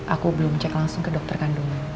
aku belum cek langsung ke dokter kandungan